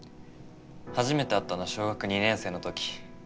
初めて会ったのは小学２年生の時。